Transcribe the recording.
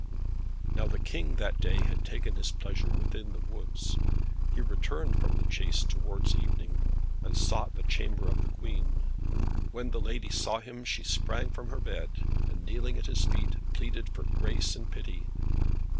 Now the King that day had taken his pleasure within the woods. He returned from the chase towards evening, and sought the chamber of the Queen. When the lady saw him, she sprang from her bed, and kneeling at his feet, pleaded for grace and pity.